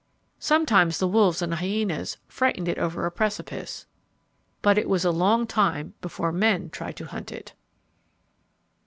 Sometimes the wolves and hyenas frightened it over a precipice. But it was a long time before men tried to hunt it.